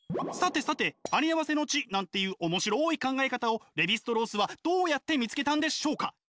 さてさてありあわせの知なんていう面白い考え方をレヴィ＝ストロースはどうやって見つけたんでしょうか？